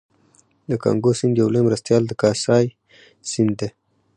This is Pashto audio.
د کانګو سیند یو لوی مرستیال د کاسای سیند دی